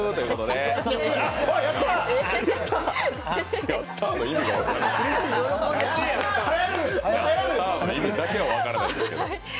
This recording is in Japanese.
その意味だけは分からないんですが。